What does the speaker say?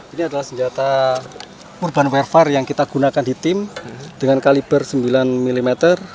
ini adalah senjata urban werfare yang kita gunakan di tim dengan kaliber sembilan mm